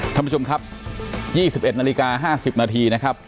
ท่านผู้ชมครับ๒๑นาฬิกา๕๐นาทีนะครับ